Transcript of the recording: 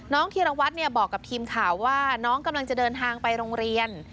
ธีรวัตรบอกกับทีมข่าวว่าน้องกำลังจะเดินทางไปโรงเรียน